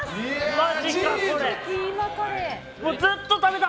マジか！